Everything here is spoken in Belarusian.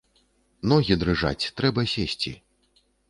Ногі дрыжаць, трэба сесці.